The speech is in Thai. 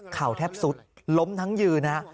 แทบสุดล้มทั้งยืนฮะ